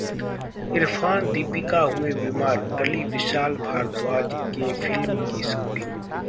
इरफान-दीपिका हुए बीमार, टली विशाल भारद्वाज के फिल्म की शूटिंग